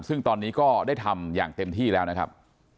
ซึ่งตอนนี้ก็ได้ทำอย่างเต็มที่แล้วนะครับ